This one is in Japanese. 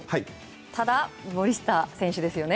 ただ森下選手ですよね。